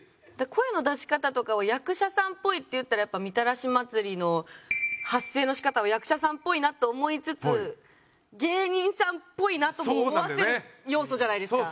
声の出し方とかを役者さんっぽいっていったらやっぱりみたらし祭りの発声の仕方は役者さんっぽいなと思いつつ芸人さんっぽいなとも思わせる要素じゃないですか。